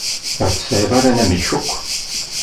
Ur tesɛi ara anamek akk.